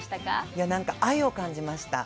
いやなんか愛を感じました。